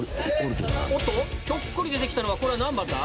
ひょっこり出て来たのはこれは何番だ？